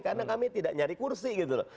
karena kami tidak nyari kursi gitu loh